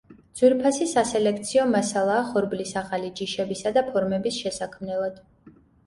ძვირფასი სასელექციო მასალაა ხორბლის ახალი ჯიშებისა და ფორმების შესაქმნელად.